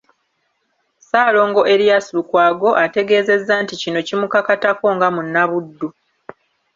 Ssaalongo Erias Lukwago ategeezezza nti kino kimukakatako nga munnabuddu